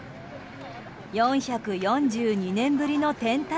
４４２年ぶりの天体